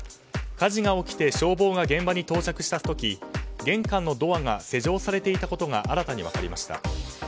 火事が起きて消防が現場に到着した時玄関のドアが施錠されていたことが新たに分かりました。